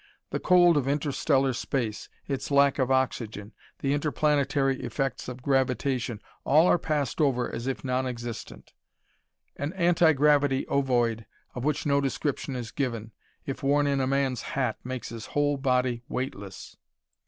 The cold of inter stellar space; its lack of oxygen; the interplanetary effects of gravitation all are passed over as if non existent. An "anti gravity ovoid" of which no description is given if worn in a man's hat, makes his whole body weightless.